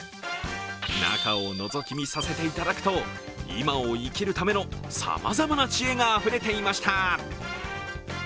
中をのぞき見させていただくと今を生きるためのさまざまな知恵があふれていました。